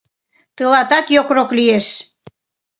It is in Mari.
Тылатат йокрок лиеш.